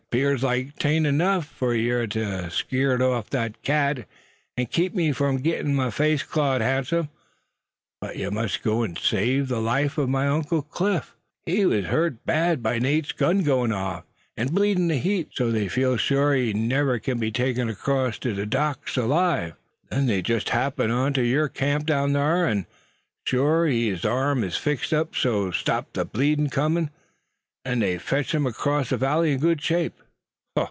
"'Pears like 'tain't enuff fur yer ter skeer off thet cat, an' keep me from agittin' my face clawed handsome, but yer must go an' save ther life o' my uncle Cliff. I reads thet he was hurt bad by Nate's gun goin' off, an' bleedin' a heap, so's they feels sure he never kin be took 'crost ter the doc's alive. Then they jest happen on yer camp down thar; an' shore he gut his arm fixed up so's ter stop ther blood comin'; an' they fotched him acrost ther valley in good shape."